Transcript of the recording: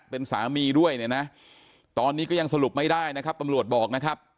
เป็นสามีด้วยเนี่ยนะตอนนี้ก็ยังสรุปไม่ได้นะครับตำรวจบอกนะครับ